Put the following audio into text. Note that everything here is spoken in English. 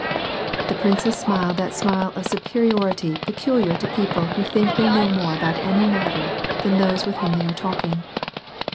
" The princess smiled that smile of superiority peculiar to people who think they know more about any matter than those with whom they are talking.